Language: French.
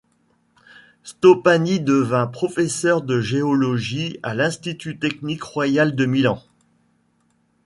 Stoppani devint professeur de géologie à l'Institut Technique Royal de Milan.